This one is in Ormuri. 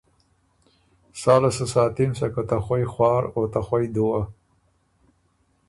ساله سو ساتِم سکه ته خوئ خوار او ته خوئ دُوّه“